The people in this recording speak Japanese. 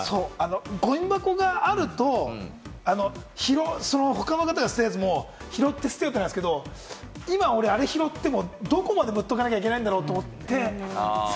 ゴミ箱があると、他の方が捨てたやつも拾って捨てるってなるんですけれど、今あれ拾っても、どこまで持っていかなきゃいけないんだろうと思って。